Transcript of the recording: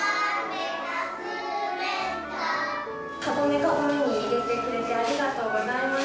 かごめかごめに入れてくれて、ありがとうございます。